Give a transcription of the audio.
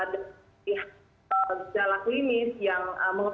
di jalak limis yang mengarah